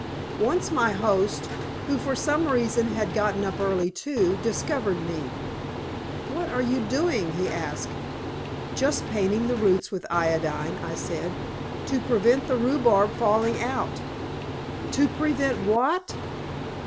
Once my host, who for some reason had got up early too, discovered me. "What are you doing?" he asked. "Just painting the roots with iodine," I said, "to prevent the rhubarb falling out." "To prevent what?"